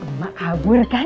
emak kabur kan